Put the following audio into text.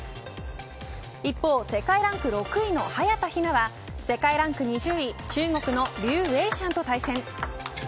一方世界ランク６位の早田ひなは世界ランク２０位中国のリュウ・ウェイシャンと対戦。